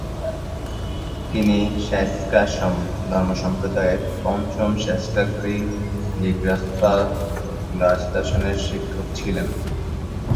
তিনি সা-স্ক্যা ধর্মসম্প্রদায়ের পঞ্চম সা-স্ক্যা-খ্রি-'দ্জিন গ্রাগ্স-পা-র্গ্যাল-ম্ত্শানের শিক্ষক ছিলেন।